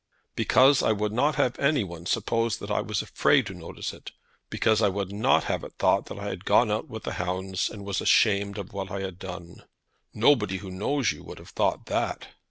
"Because I would not have any one suppose that I was afraid to notice it. Because I would not have it thought that I had gone out with the hounds and was ashamed of what I had done." "Nobody who knows you would have thought that."